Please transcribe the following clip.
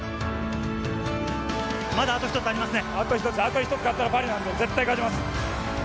まだあと１つありますね。